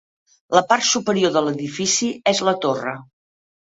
La part superior de l'edifici és la torre.